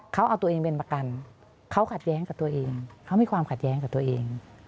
เขาเอาตัวเองเป็นประกันเขาขัดแย้งกับตัวเองเขามีความขัดแย้งกับตัวเอง